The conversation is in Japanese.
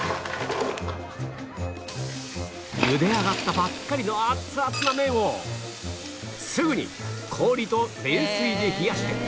茹で上がったばっかりの熱々な麺をすぐに氷と冷水で冷やして